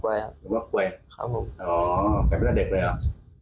อ๋อแผ่ปแรกเลยหรอ